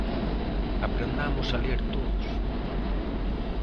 Aprendamos a ler todos.